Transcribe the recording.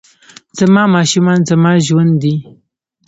زما ماشومان زما ژوند دي